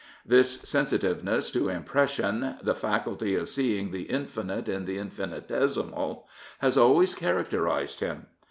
This sensitiveness to impression, the faculty of seeing the infinite in the infinitesimal, has always characterised him.